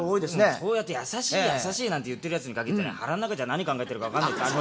そうやって優しい優しいなんて言ってるやつにかぎってね腹の中じゃ何考えてるか分かんない。